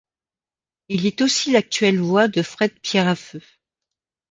Il est aussi l'actuelle voix de Fred Pierrafeu.